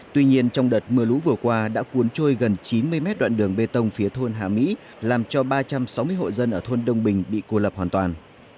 tuy nhiên trong đợt mưa lũ vừa qua đã cuốn trôi gần chín mươi mét đoạn đường bê tông phía thôn hạ mỹ làm cho ba trăm sáu mươi hộ dân ở thôn đông bình bị cô lập hoàn toàn